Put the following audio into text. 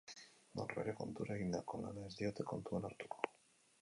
Norbere kontura egindako lana ez diote kontuan hartuko.